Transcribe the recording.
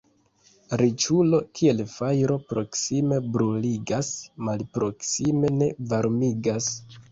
Riĉulo kiel fajro proksime bruligas, malproksime ne varmigas.